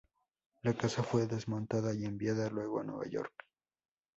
La casa fue desmontada y enviada luego a Nueva York.